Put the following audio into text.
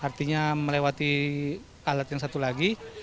artinya melewati alat yang satu lagi